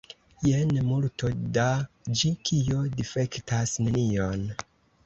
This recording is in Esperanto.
Jen multo da ĝi, kio difektas nenion.